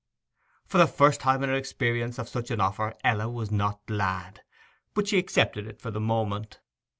For the first time in her experience of such an offer Ella was not glad. But she accepted it for the moment.